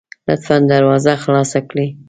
لطفا دروازه خلاصه کړئ